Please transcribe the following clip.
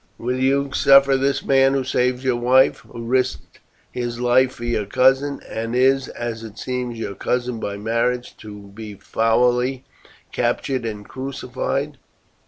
Will you suffer this man, who saved your wife, who risked his life for your cousin, and is, as it seems, your cousin by marriage, to be foully captured and crucified?"